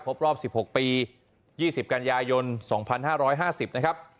รอบ๑๖ปี๒๐กันยายน๒๕๕๐นะครับ